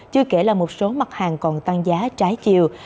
chưa kể là một số mặt hàng còn tăng giá trái chiều